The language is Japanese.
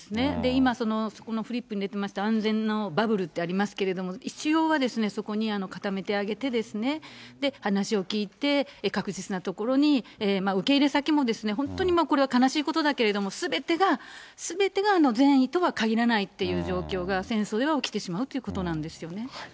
今、そのフリップに出てました、安全のバブルってありますけども、一応はそこに固めてあげて、話を聞いて、確実な所に受け入れ先も本当にこれは悲しいことだけど、すべてが、すべてが善意とはかぎらないという状況が、戦争では起きてしまうということなんですよね。